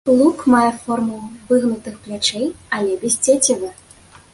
Лук мае форму выгнутых плячэй але без цецівы.